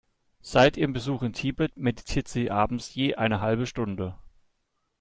Seit ihrem Besuch in Tibet meditiert sie abends je eine halbe Stunde.